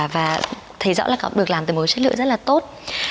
và thấy rõ là được làm từ mối chất lượng rất là tốt